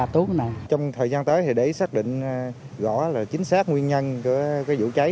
trong thời gian tới thì để xác định rõ là chính xác nguyên nhân của cái vụ cháy